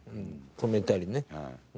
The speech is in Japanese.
止めたりね。